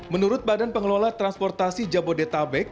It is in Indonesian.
menurut badan pengelola transportasi jabodetabek